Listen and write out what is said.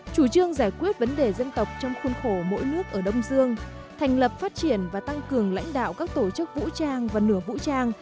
chủ trương giải quyết vấn đề dân tộc trong khuôn khổ mỗi nước ở đông dương thành lập phát triển và tăng cường lãnh đạo các tổ chức vũ trang và nửa vũ trang